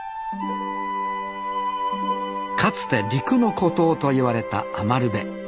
かつて陸の孤島といわれた余部。